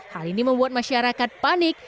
hal ini membuat masyarakat panik